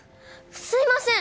すいません！